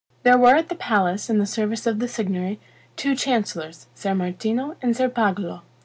There were at the palace, in the service of the Signory, two chancellors, Ser Martino and Ser Pagolo.